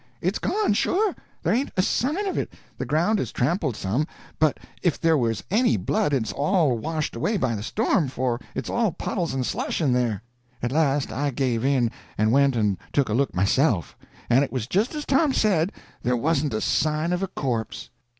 "It's gone, sure. There ain't a sign of it. The ground is trampled some, but if there was any blood it's all washed away by the storm, for it's all puddles and slush in there." At last I give in, and went and took a look myself; and it was just as Tom said—there wasn't a sign of a corpse.